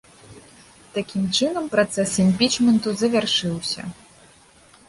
Такім чынам працэс імпічменту завяршыўся.